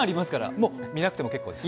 もう見なくても結構です。